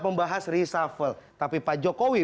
membahas reshuffle tapi pak jokowi